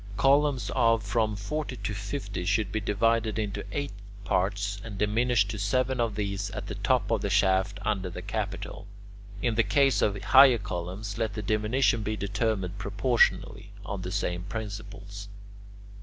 Columns of from forty feet to fifty should be divided into eight parts, and diminish to seven of these at the top of the shaft under the capital. In the case of higher columns, let the diminution be determined proportionally, on the same principles.